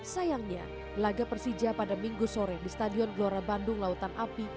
sayangnya laga persija pada minggu sore di stadion gelora bandung lautan api